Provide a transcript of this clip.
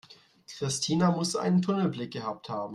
Christina muss einen Tunnelblick gehabt haben.